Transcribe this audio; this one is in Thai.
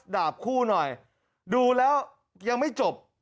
ดาบคู่หน่อยดูแล้วยังไม่จบ